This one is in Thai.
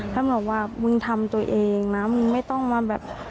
ท่านบอกว่ามึงทำตัวเองนะมึงไม่ต้องมาแบบ